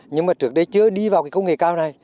nhưng mà trước đây chưa đi vào cái công nghệ cao này